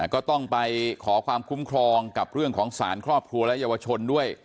ก็ต้องไปขอความคุ้มครองกับเรื่องของสารครอบครัวและเยาวชนด้วย